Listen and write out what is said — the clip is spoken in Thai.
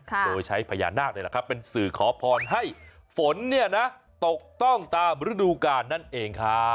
โดยใช้พญานาคต์เลยล่ะครับเป็นสื่อขอพรให้ฝนตกต้องตามฤดูกาลนั่นเองค่ะ